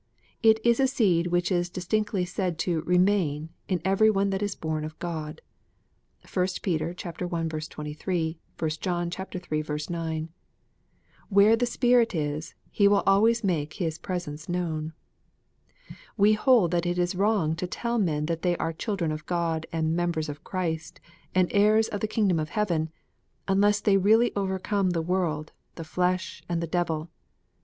It is a seed which is distinctly said to " remain " in every one that is born of God. (1 Peter i. 23 ; 1 John iii. 9.) Where the Spirit is, He will always make His presence known. We hold that it is wrong to tell men that they are " children of God, and members of Christ, and heirs of the kingdom of heaven," unless they really overcome the world, the flesh, and the devil.